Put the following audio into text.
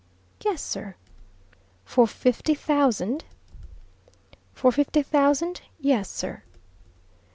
"Yes, sir." "For fifty thousand?" "For fifty thousand yes, sir."